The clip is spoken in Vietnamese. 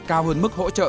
cao hơn mức hỗ trợ